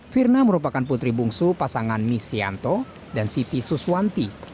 firna merupakan putri bungsu pasangan misianto dan siti suswanti